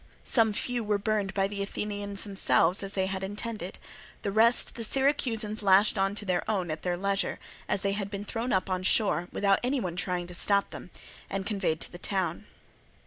Some few were burned by the Athenians themselves as they had intended; the rest the Syracusans lashed on to their own at their leisure as they had been thrown up on shore, without any one trying to stop them, and conveyed to the town.